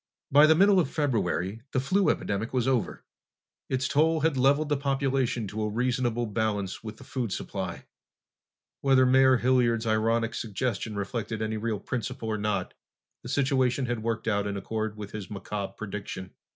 By the middle of February the flu epidemic was over. Its toll had leveled the population to a reasonable balance with the food supply. Whether Mayor Hilliard's ironic suggestion reflected any real principle or not, the situation had worked out in accord with his macabre prediction.